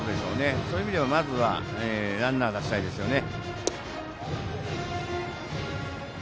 そういう意味では、まずはランナー出したいですよね。